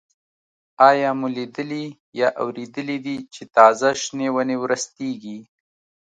آیا مو لیدلي یا اورېدلي دي چې تازه شنې ونې ورستېږي؟